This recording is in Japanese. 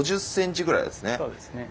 そうですね。